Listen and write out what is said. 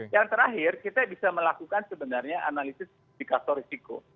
dan yang terakhir kita bisa melakukan sebenarnya analisis indikator risiko